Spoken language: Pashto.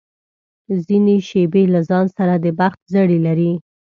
ځینې شېبې له ځان سره د بخت زړي لري.